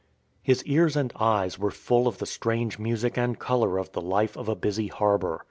His ears and eyes were full of the strange music and colour of the life of a busy harbour.